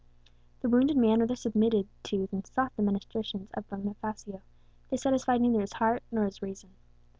The wounded man rather submitted to than sought the ministrations of Bonifacio; they satisfied neither his heart nor his reason.